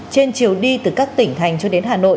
trên chiều đi từ các tỉnh thành cho đến hà nội